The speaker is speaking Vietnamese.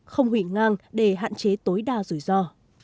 không hủy ngang để hạn chế tối đa rủi ro